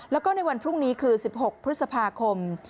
แล้วก็ในวันพรุ่งนี้คือ๑๖พฤษภาคม